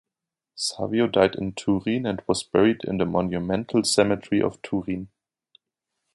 Savio died in Turin and was buried in the Monumental Cemetery of Turin.